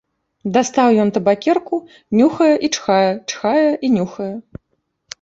Дастаў ён табакерку, нюхае і чхае, чхае і нюхае.